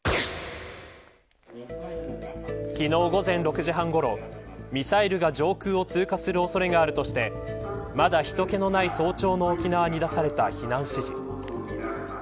昨日午前６時半ごろミサイルが上空を通過する恐れがあるとしてまだ、ひと気のない早朝の沖縄に出された避難指示。